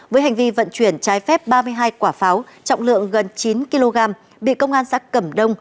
với hành vi vận chuyển trái phép ba mươi hai quả pháo trọng lượng gần chín kg bị công an xã cẩm đông